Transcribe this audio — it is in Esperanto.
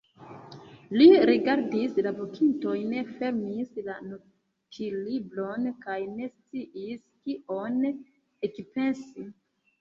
Li rigardis la vokintojn, fermis la notlibron kaj ne sciis, kion ekpensi.